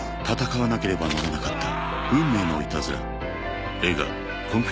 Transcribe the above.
［戦わなければならなかった運命のいたずら］